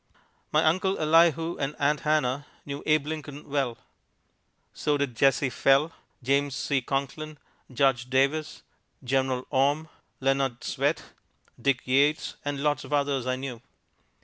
My Uncle Elihu and Aunt Hannah knew Abe Lincoln well. So did Jesse Fell, James C. Conklin, Judge Davis, General Orme, Leonard Swett, Dick Yates and lots of others I knew.